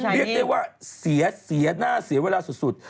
พูดชัยนี้เรียกได้ว่าเสียหน้าเสียเวลาสุด